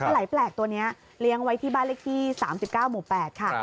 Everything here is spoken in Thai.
ไหลแปลกตัวนี้เลี้ยงไว้ที่บ้านเลขที่๓๙หมู่๘ค่ะ